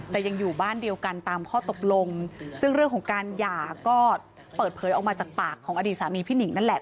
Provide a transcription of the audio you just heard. แต่ยังอยู่บ้านเดียวกันตามข้อตกลงซึ่งเรื่องของการหย่าก็เปิดเผยออกมาจากปากของอดีตสามีพี่หนิงนั่นแหละ